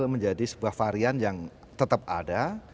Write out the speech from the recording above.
menjadi sebuah varian yang tetap ada